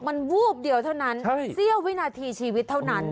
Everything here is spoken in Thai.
มันวูบเดียวเท่านั้นเสี้ยววินาทีชีวิตเท่านั้น